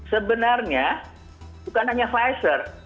sebenarnya bukan hanya pfizer